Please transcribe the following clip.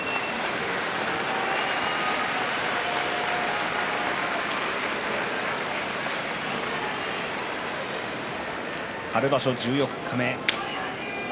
拍手春場所、十四日目。